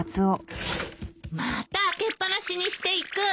また開けっ放しにしていく！